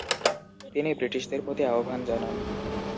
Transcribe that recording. তিনি ব্রিটিশদের প্রতি আহ্বান জানান।